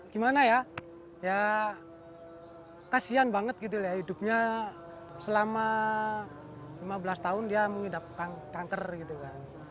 gimana ya ya kasian banget gitu lah hidupnya selama lima belas tahun dia mengidap kanker gitu kan